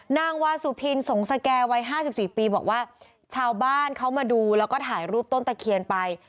นางวาสุพินสงสแก่วัย๕๔ปีบอกว่าชาวบ้านเขามาดูแล้วก็ถ่ายรูปต้นตะเคียนไป